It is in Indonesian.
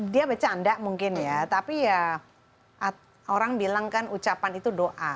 dia bercanda mungkin ya tapi ya orang bilang kan ucapan itu doa